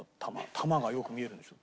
球がよく見えるんでしょ？